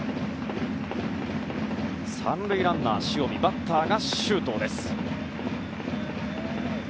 ３塁ランナーが塩見バッターが周東です。